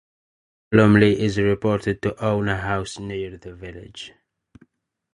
Joanna Lumley is reported to own a house near the village.